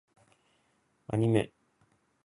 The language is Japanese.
アニメ